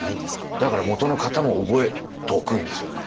だからもとの型も覚えておくんですよね。